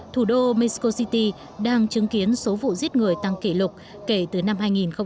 thủ đô mexico city đang chứng kiến số vụ giết người tăng kỷ lục kể từ năm hai nghìn một mươi